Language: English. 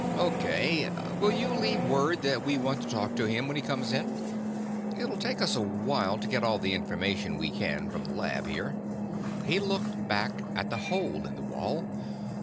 "O.K. Will you leave word that we want to talk to him when he comes in? It'll take us a while to get all the information we can from the lab, here." He looked back at the hole in the wall.